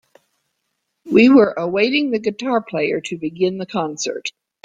We were awaiting the guitar player to begin the concert.